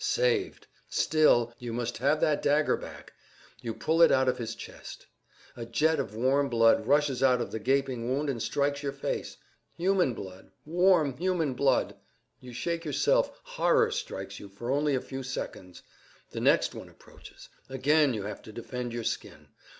Saved!—Still, you must have that dagger back! You pull it out of his chest. A jet of warm blood rushes out of the gaping wound and strikes your face. Human blood, warm human blood! You shake yourself, horror strikes you for only a few seconds. The next one approaches; again you have to defend your skin.